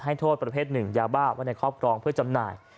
โทษประเภทหนึ่งยาบ้าไว้ในครอบครองเพื่อจำหน่าย